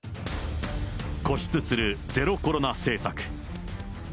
固執するゼロコロナ政策。